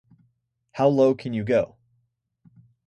How low can you go?